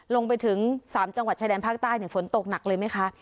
ลงไปถึง๓จังหวัดชายแดนภาคใต้ฝนตกหนักเลยไหมคะ